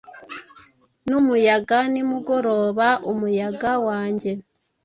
Numuyaga nimugoroba umuyaga wanjye.